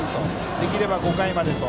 できれば５回まで。